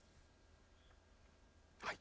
はい。